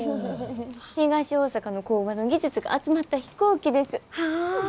東大阪の工場の技術が集まった飛行機です。